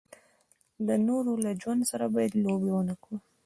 د نورو له ژوند سره باید لوبې و نه کړو.